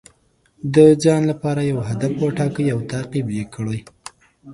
د ځان لپاره یو هدف وټاکئ او تعقیب یې کړئ.